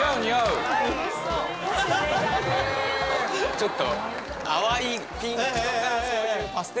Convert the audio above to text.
ちょっと。